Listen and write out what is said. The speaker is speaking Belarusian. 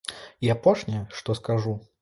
І апошняе, што скажу.